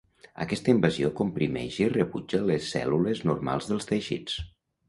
Aquesta invasió comprimeix i rebutja les cèl·lules normals dels teixits.